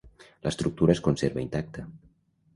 L'estructura es conserva intacta.